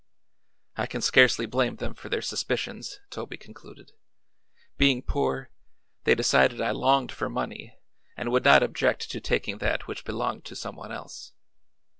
"I can scarcely blame them for their suspicions," Toby concluded. "Being poor, they decided I longed for money and would not object to taking that which belonged to some one else.